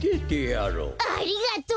ありがとう！